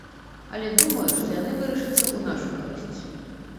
Але думаю, што яны вырашацца ў нашу карысць.